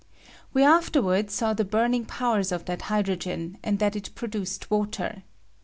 We afterward saw the burning powers of that hy drogen, and that it produced water.